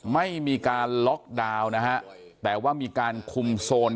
ไม่มีการล็อกดาวน์นะฮะแต่ว่ามีการคุมโซน